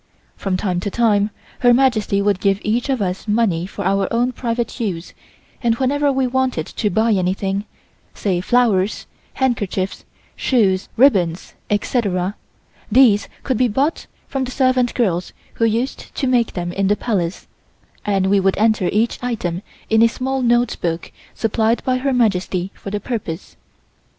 From time to time Her Majesty would give each of us money for our own private use and whenever we wanted to buy anything, say flowers, handkerchiefs, shoes, ribbons, etc., these could be bought from the servant girls who used to make them in the Palace and we would enter each item in a small note book supplied by Her Majesty for the purpose.